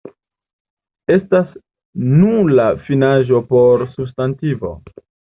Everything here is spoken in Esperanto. Estas nula finaĵo por substantivo.